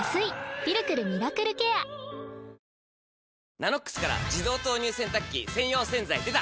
「ＮＡＮＯＸ」から自動投入洗濯機専用洗剤でた！